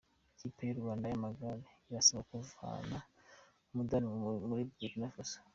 Ikipe y’u Rwanda y’amagare irasabwa kuvana umudari muri Burkina Faso